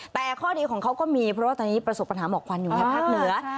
แต่ข้อดีของเขาก็มีเพราะว่าตอนนี้ประสบปัญหาหมอกควันอยู่ในภาคเหนือ